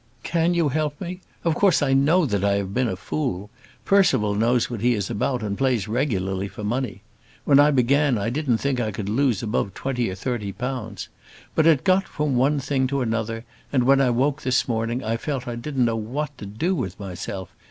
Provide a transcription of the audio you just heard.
Can you help me? Of course I know that I have been a fool. Percival knows what he is about and plays regularly for money. When I began I didn't think that I could lose above twenty or thirty pounds. But it got on from one thing to another, and when I woke this morning I felt I didn't know what to do with myself.